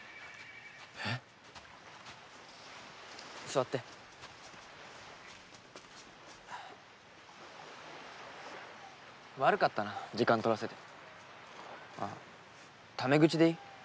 座って悪かったな時間取らせてあっタメ口でいい？